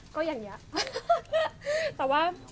ก็อย่างเงี้ย